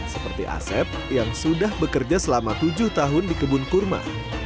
seperti asep yang sudah bekerja selama tujuh tahun di kebun kurma